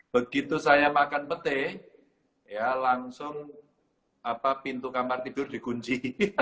begitu saya makan petek ya langsung apa pintu kamar tidur dikunci